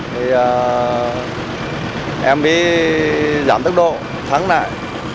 thì em mới giảm tốc độ thắng lại